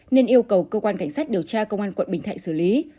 nên yêu cầu cơ quan cảnh sát điều tra công an quận bình thạnh xử lý